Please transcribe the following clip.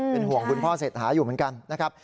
เป็นห่วงคุณพ่อเศรษฐาอยู่เหมือนกันนะครับ